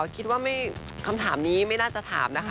คิดว่าคำถามนี้ไม่น่าจะถามนะคะ